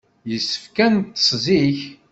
Yessefk ad neṭṭes zik.